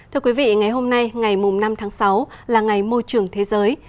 thưa quý vị ngày hôm nay ngày năm tháng sáu là ngày môi trường thế giới